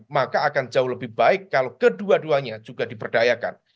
maka akan jauh lebih baik kalau kedua duanya juga diperdayakan